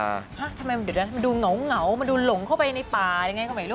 ชะมันดูเหงามันดูหลงเข้าไปในป่ายังไงก็ไม่รู้